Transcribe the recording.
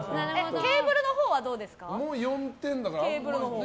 ケーブルのほうはどうですか？